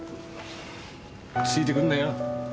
ついてくんなよ。